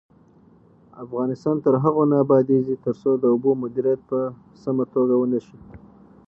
افغانستان تر هغو نه ابادیږي، ترڅو د اوبو مدیریت په سمه توګه ونشي.